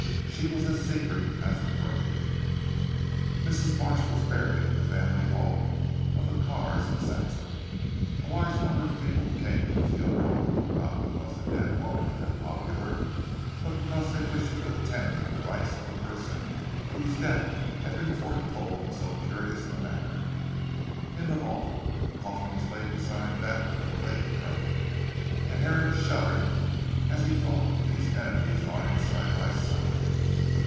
She was as secret as the grave. Mrs. Marsh was buried in the family vault of the Carr's at Saxham. A large number of people came to the funeral, not because the dead woman had been popular, but that they wished to attend the rites of a person whose death had been foretold in so curious a manner. In the vault, the coffin was laid beside that of the late Colonel, and Herrick shuddered as he thought of these enemies lying side by side.